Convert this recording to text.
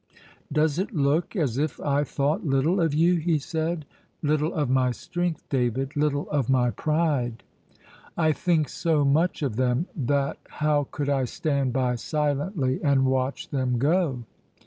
"Does it look as if I thought little of you?" he said. "Little of my strength, David, little of my pride." "I think so much of them that how could I stand by silently and watch them go?"